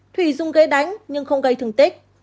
thủy dùng gây đánh nhưng không gây thương tích